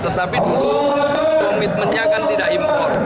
tetapi dulu komitmennya kan tidak impor